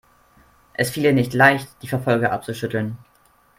Es fiel ihr nicht leicht, die Verfolger abzuschütteln.